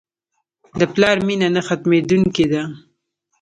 د پلار مینه نه ختمېدونکې ده.